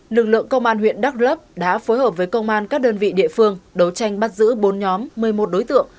lực lượng công an huyện đắk lấp đã phối hợp với công an các đơn vị địa phương đấu tranh bắt giữ bốn nhóm một mươi một đối tượng